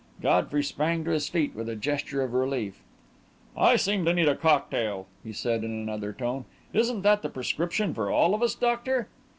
Godfrey sprang to his feet with a gesture of relief. "I seem to need a cocktail," he said, in another tone. "Isn't that the prescription for all of us, doctor?"